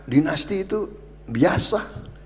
dinasti itu biasa